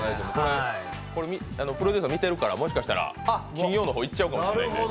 これ、プロデューサー見てるから、もしかしたら金曜の方いっちゃうかもしれない。